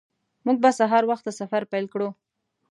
موږ به سهار وخته سفر پیل کړو